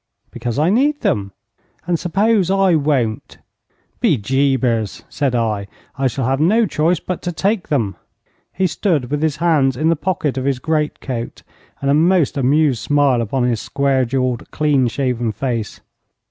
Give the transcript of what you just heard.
'Because I need them.' 'And suppose I won't?' 'Be jabers,' said I, 'I shall have no choice but to take them.' He stood with his hands in the pockets of his great coat, and a most amused smile upon his square jawed, clean shaven face.